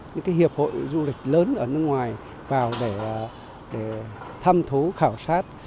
những cái hiệp hội du lịch lớn ở nước ngoài vào để thăm thú khảo sát